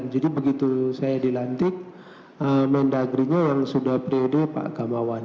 jadi begitu saya dilantik mendagrinya yang sudah priode pak gamawan